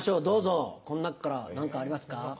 どうぞこの中から何かありますか？